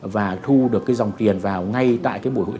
và thu được cái dòng tiền vào ngay tại cái buổi tiệc này